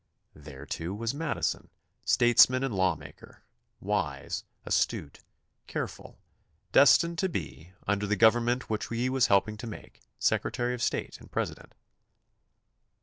There, too, was Madison, statesman and lawmaker, wise, astute, careful, destined to be, under the government which he was helping to make, Sec retary of State and President.